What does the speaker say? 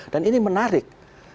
dan ini menarik